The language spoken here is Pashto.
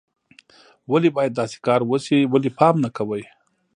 ولې باید داسې کار وشي، ولې پام نه کوئ